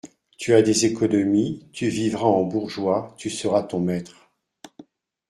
Tu as des économies : tu vivras en bourgeois, tu seras ton maître.